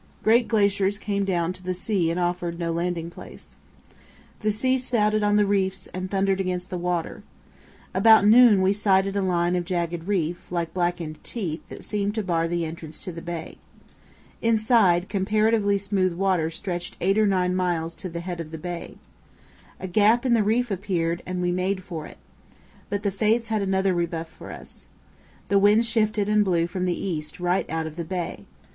Great glaciers came down to the sea and offered no landing place. The sea spouted on the reefs and thundered against the shore. About noon we sighted a line of jagged reef, like blackened teeth, that seemed to bar the entrance to the bay. Inside, comparatively smooth water stretched eight or nine miles to the head of the bay. A gap in the reef appeared, and we made for it. But the fates had another rebuff for us. The wind shifted and blew from the east right out of the bay.